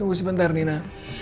tunggu sebentar nina